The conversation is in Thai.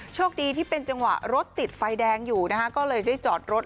โชคดีที่เป็นจังหวะรถติดไฟแดงอยู่นะคะก็เลยได้จอดรถ